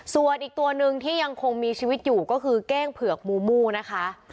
ส่วนอีกตัวหนึ่งที่ยังคงมีชีวิตอยู่ก็คือเก้งเผือกมูมูนะคะ